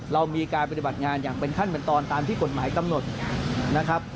เรามีการปฏิบัติงานอย่างเป็นขั้นเป็นตอนตามที่กฎหมายกำหนดนะครับ